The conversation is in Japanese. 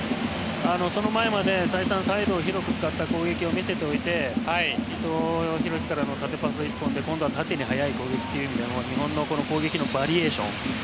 その前までサイドを広く使った攻撃を見せておいて伊藤洋輝から縦パス１本で今度は縦に速い攻撃という意味でも日本の攻撃のバリエーション。